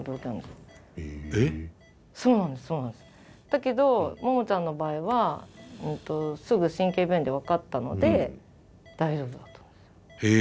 だけどモモちゃんの場合はすぐ神経病院で分かったので大丈夫だったんです。